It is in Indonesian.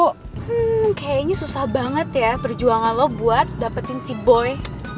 hmm kayaknya susah banget ya perjuangan lo buat dapetin si boy